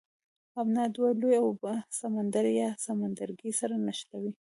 ابنا دوه لویې اوبه سمندر یا سمندرګی سره نښلوي.